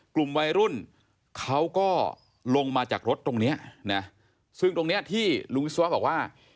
กลุ่มวัยรุ่นเขาก็ลงมาจากรถตรงเนี้ยนะซึ่งตรงเนี้ยที่ลุงวิศวะบอกว่า